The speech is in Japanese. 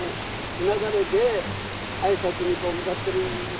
うなだれて挨拶に向かってるんでね